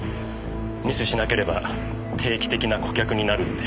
ミスしなければ定期的な顧客になるって。